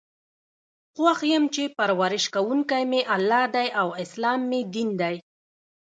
خوښ یم چې پر ورش کوونکی می الله دی او اسلام می دین دی.